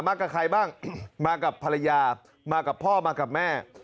มากับใครบ้างมากับภรรยามากับพ่อมากับแม่